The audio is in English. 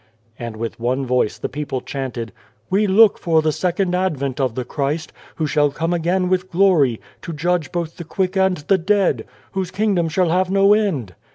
And with one voice the people chanted :" We look for the Second Advent of the Christ, who shall come again with glory, to judge both the quick and the dead. Whose Kingdom shall have no end."